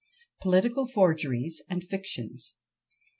POLITICAL FORGERIES AND FICTIONS.